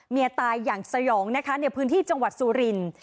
เมียตายอย่างสยองนะคะในพื้นที่จังหวัดสุรินทร์